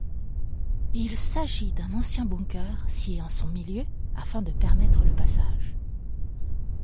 Il s'agit d'un ancien bunker scié en son milieu afin de permettre le passage.